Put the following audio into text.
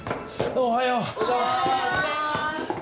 おはようございます！